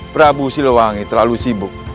prabu siluwangi terlalu sibuk